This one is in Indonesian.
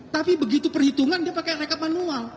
tapi begitu perhitungan dia pakai rekap manual